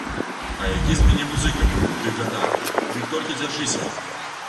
А які з мяне музыка быў у тых гадах, дык толькі дзяржыся!